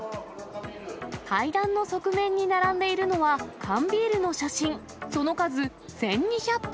階段の側面に並んでいるのは缶ビールの写真、その数、１２００本。